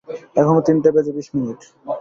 এখনো তিনটে বেজে বিশ মিনিট।